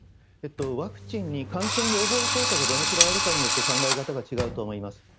ワクチンに感染予防効果がどのくらいあるかによって考え方が違うと思います。